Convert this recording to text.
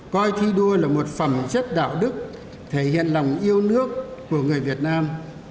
coi thi đua là một phẩm chất đạo đức thể hiện lòng yêu nước của người việt nam